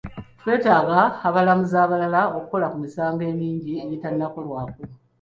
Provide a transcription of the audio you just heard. Twetaaga abalamuzi abalala okukola ku misango emingi egitannakolebwako.